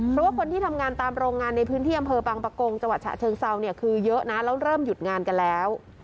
เพราะว่าคนที่ทำงานตามโรงงานในพื้นที่อำเภอบางประกงจังหวัดฉะเชิงเซาเนี่ยคือเยอะนะแล้วเริ่มหยุดงานกันแล้ว